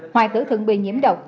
hoài tử thượng bị nhiễm độc